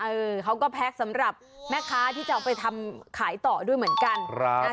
เขาก็แพ็คสำหรับแม่ค้าที่จะเอาไปทำขายต่อด้วยเหมือนกัน